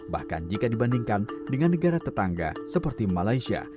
bahkan jika dibandingkan dengan negara tetangga seperti malaysia